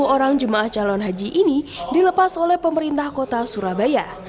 dua lima ratus tujuh puluh orang jamaah calon haji ini dilepas oleh pemerintah kota surabaya